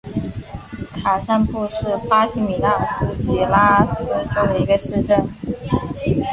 卡尚布是巴西米纳斯吉拉斯州的一个市镇。